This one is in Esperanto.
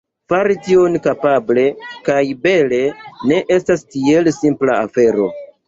Fari tion kapable kaj bele ne estas tiel simpla afero.